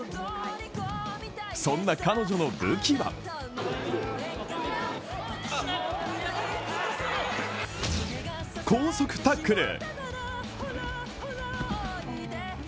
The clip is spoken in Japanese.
そんな彼女の武器は高速タックル。